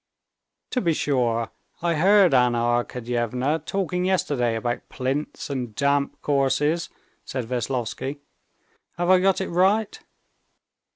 "To be sure, I heard Anna Arkadyevna talking yesterday about plinths and damp courses," said Veslovsky. "Have I got it right?"